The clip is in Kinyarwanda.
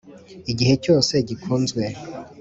igihe cyose gikunzwe.